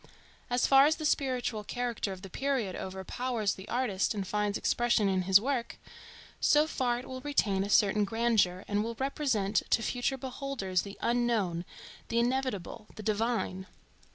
As far as the spiritual character of the period overpowers the artist and finds expression in his work, so far it will retain a certain grandeur, and will represent to future beholders the Unknown, the Inevitable, the Divine.